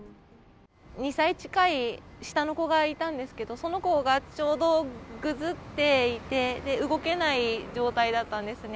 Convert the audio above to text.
２歳近い下の子がいたんですけれども、その子がちょうどぐずっていて、動けない状態だったんですね。